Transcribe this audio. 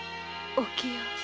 お清。